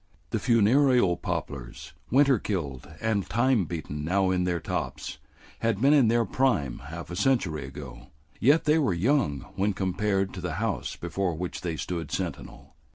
The funereal poplars, winter killed and time beaten now in their tops, had been in their prime half a century ago, yet they were young when compared to the house before which they stood sentinel.